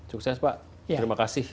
sukses pak terima kasih